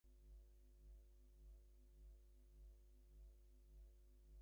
The features and entertainment part of the newspaper uses a number of reporters.